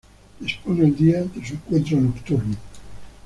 Les pone al día de su encuentro nocturno.